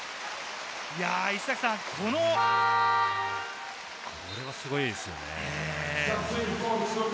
これはすごいですよね。